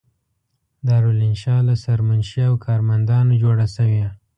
دارالانشأ له سرمنشي او کارمندانو جوړه شوې.